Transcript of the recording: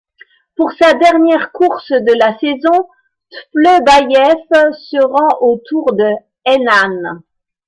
Pour sa dernière course de la saison, Tleubayev se rend au Tour de Hainan.